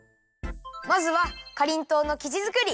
まずはかりんとうのきじづくり！